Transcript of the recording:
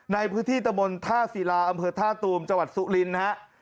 ในพื้นที่ตะมนต์ท่าศีราอำเภอท่าตูมจสุรินทร์นะครับ